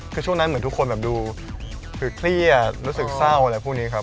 คือช่วงนั้นเหมือนทุกคนแบบดูคือเครียดรู้สึกเศร้าอะไรพวกนี้ครับ